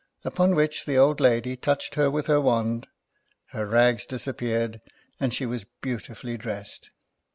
. Upon which the old lady touched her with her wand, her rags disappeared, and she was beautifully dressed.